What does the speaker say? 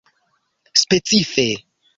specife